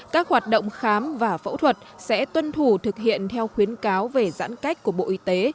các hoạt động khám và phẫu thuật sẽ tuân thủ thực hiện theo khuyến cáo về giãn cách của bộ y tế